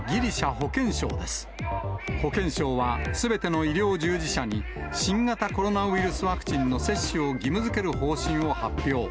保健省はすべての医療従事者に、新型コロナウイルスワクチンの接種を義務づける方針を発表。